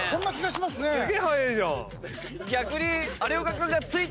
すげえ速えじゃん。